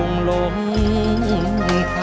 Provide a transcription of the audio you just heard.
จะใช้หรือไม่ใช้ครับ